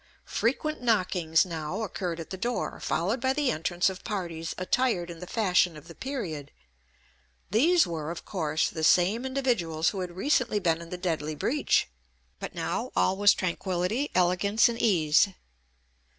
Frequent knockings now occurred at the door, followed by the entrance of parties attired in the fashion of the period. These were, of course, the same individuals who had recently been in the deadly breach; but now all was tranquillity, elegance, and ease.